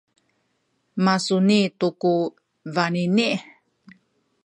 masuni tu ku baninih